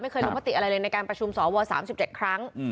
เคยลงมติอะไรเลยในการประชุมสว๓๗ครั้ง